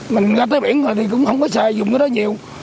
mình ra tới biển rồi thì cũng không có xài dùng cái đó nhiều